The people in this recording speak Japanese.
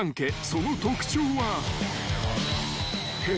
［その特徴は］